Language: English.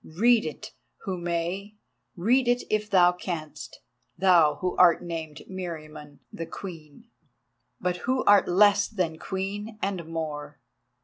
Read it who may—read it if thou canst, thou who art named Meriamun the Queen, but who art less than Queen and more.